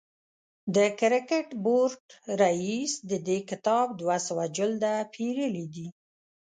د کرکټ بورډ رئیس د دې کتاب دوه سوه جلده پېرلي دي.